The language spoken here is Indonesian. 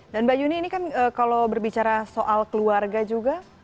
dan mbak yuni ini kan kalau berbicara soal keluarga juga